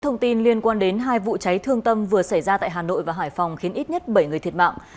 thông tin liên quan đến hai vụ cháy thương tâm vừa xảy ra tại hà nội và hải phòng khiến ít nhất bảy người thiệt mạng